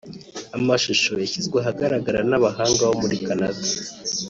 Amashusho yashyizwe ahagaragara n’abahanga bo muri Canada